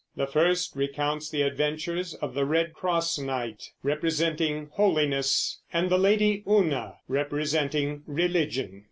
The first recounts the adventures of the Redcross Knight, representing Holiness, and the lady Una, representing Religion.